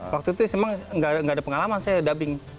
waktu itu memang nggak ada pengalaman saya dubbing